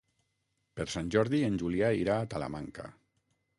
Per Sant Jordi en Julià irà a Talamanca.